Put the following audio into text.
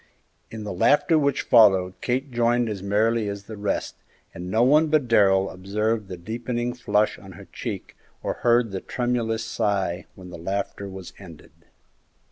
In the laughter which followed Kate joined as merrily as the rest, and no one but Darrell observed the deepening flush on her cheek or heard the tremulous sigh when the laughter was ended.